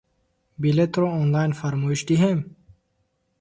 Билетро онлайн фармоиш диҳем?